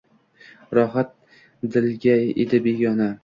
Rohat dilga edi begona: